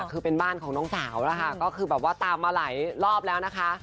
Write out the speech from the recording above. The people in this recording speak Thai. คือเป็นบ้านของน้องสาวนะคะก็คือแบบว่าตามมาหลายรอบแล้วนะคะ